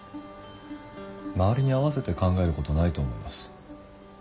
周りに合わせて考えることないと思います。